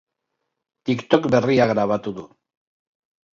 Tiktok berria grabatu du.